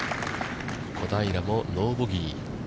小平もノーボギー。